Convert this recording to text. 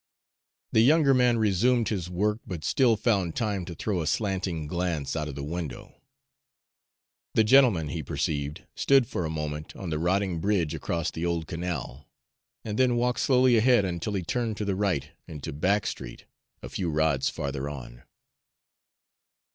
The younger man resumed his work, but still found time to throw a slanting glance out of the window. The gentleman, he perceived, stood for a moment on the rotting bridge across the old canal, and then walked slowly ahead until he turned to the right into Back Street, a few rods farther on.